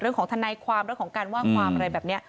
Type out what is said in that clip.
เรื่องของทันัยความของการว่างความอะไรแบบนี้